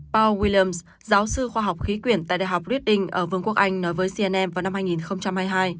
paul williams giáo sư khoa học khí quyển tại đại học reading ở vương quốc anh nói với cnn vào năm hai nghìn hai mươi hai